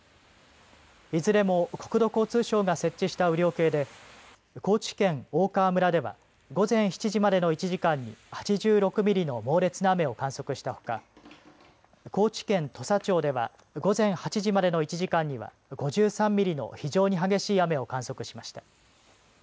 いずれも国土交通省が設置した雨量計で高知県大川村では午前７時までの１時間に８６ミリの猛烈な雨を観測したほか高知県土佐町では午前８時までの１時間には５３ミリの非常に激しい雨を観測しました。